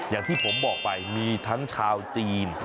อย่างที่ผมบอกไปมีทั้งชาวจีน